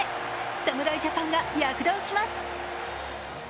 侍ジャパンが躍動します。